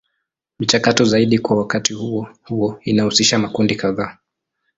Michakato zaidi kwa wakati huo huo inahusisha makundi kadhaa.